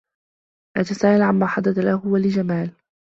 أتساءل عمّا حدث له و لجمال.